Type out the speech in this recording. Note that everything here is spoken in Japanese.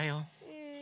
うん。